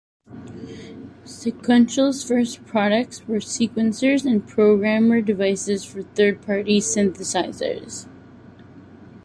Sequential's first products were sequencers and programmer devices for third-party synthesizers.